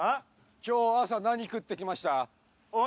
今日朝何食ってきました？